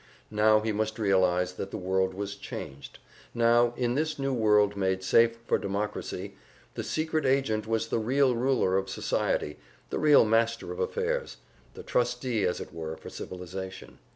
Now he must realize that the world was changed; now, in this new world made safe for democracy, the secret agent was the real ruler of society, the real master of affairs, the trustee, as it were, for civilization.